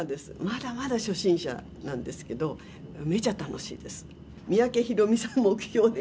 まだまだ初心者なんですけど、めちゃ楽しいです。